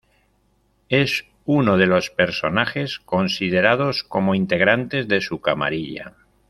Es uno de los personajes considerados como integrantes de su camarilla.